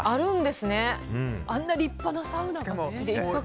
あんな立派なサウナがね。